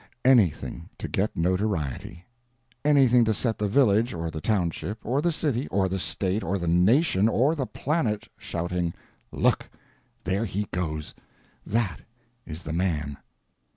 Anything to get notoriety; anything to set the village, or the township, or the city, or the State, or the nation, or the planet shouting, "Look—there he goes—that is the man!"